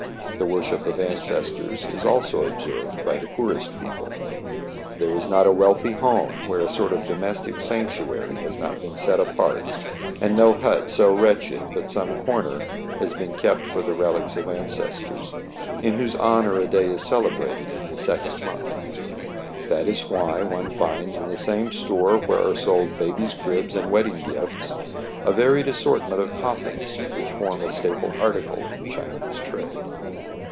The worship of ancestors is also observed by the poorest people. There is not a wealthy home where a sort of domestic sanctuary has not been set apart, and no hut so wretched but some corner has been kept for the relics of ancestors, in whose honor a day is cele brated in the second month. That is why one finds in the same store where are sold babies' cribs and wedding gifts, a varied assortment of coffins, which form a staple article in Chinese trade.